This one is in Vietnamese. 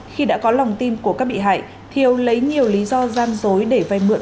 khi đã có lòng tim của các bị hại thiều lấy nhiều lý do giam dối để vay mượn